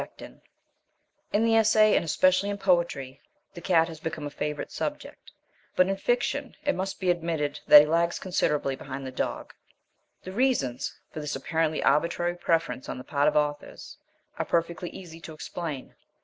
PREFACE In the essay and especially in poetry the cat has become a favourite subject, but in fiction it must be admitted that he lags considerably behind the dog. The reasons for this apparently arbitrary preference on the part of authors are perfectly easy to explain.